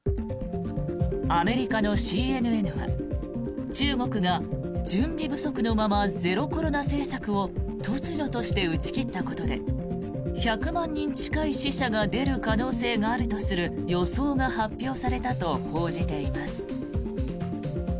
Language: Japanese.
アメリカのＣＮＮは中国が準備不足のままゼロコロナ政策を突如として打ち切ったことで１００万人近い死者が出る可能性があるとする予想が発表されたと報じています。